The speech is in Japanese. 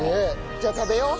じゃあ食べよう。